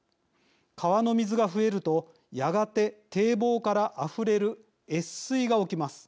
川の水が増えるとやがて堤防からあふれる越水が起きます。